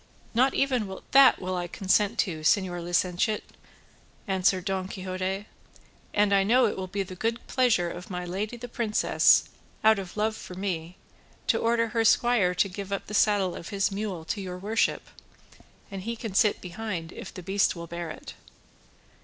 "Nor even that will I consent to, señor licentiate," answered Don Quixote, "and I know it will be the good pleasure of my lady the princess, out of love for me, to order her squire to give up the saddle of his mule to your worship, and he can sit behind if the beast will bear it."